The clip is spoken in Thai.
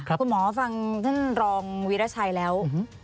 คุณหมอฟังท่านรองวิราชัยแล้ว